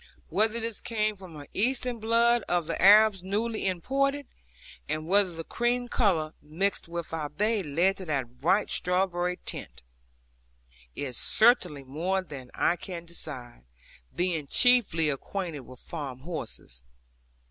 Whether this came from her Eastern blood of the Arabs newly imported, and whether the cream colour, mixed with our bay, led to that bright strawberry tint, is certainly more than I can decide, being chiefly acquaint with farm horses.